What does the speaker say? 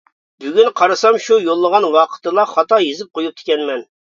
بۈگۈن قارىسام شۇ يوللىغان ۋاقىتتىلا خاتا يېزىپ قويۇپتىكەنمەن.